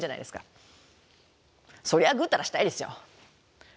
そりゃぐうたらしたいですよ。